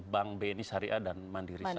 bang bni syariah dan mandiri syariah